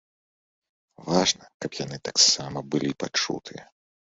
Важна, каб яны таксама былі пачутыя.